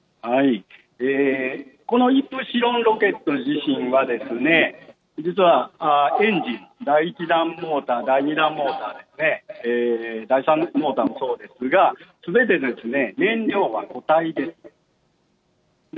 このイプシロンロケット自身は、実はエンジン、第１段モーター、第２段モーターですね、第３モーターもそうですが、すべて、燃料は個体です。